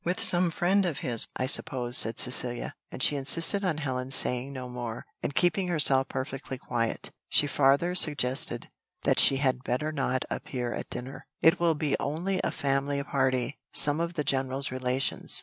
"With some friend of his, I suppose," said Cecilia, and she insisted on Helen's saying no more, and keeping herself perfectly quiet. She farther suggested that she had better not appear at dinner. "It will be only a family party, some of the general's relations.